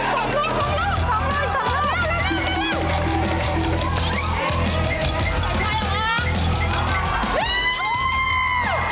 อันนี้สองลูก